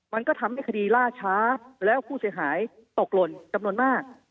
มันก็ทำให้คดีล่าช้าแล้วผู้เสียหายตกหล่นจำนวนมาก